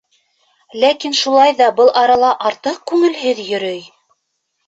Ләкин шулай ҙа был арала артыҡ күңелһеҙ йөрөй.